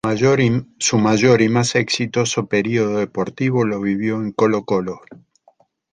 Su mayor y más exitoso período deportivo lo vivió en Colo-Colo.